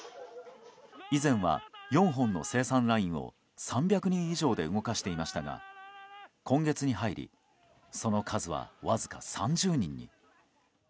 以前は、４本の生産ラインを３００人以上で動かしていましたが今月に入りその数は、わずか３０人に。